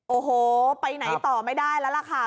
โอ้โหไปไหนต่อไม่ได้แล้วล่ะค่ะ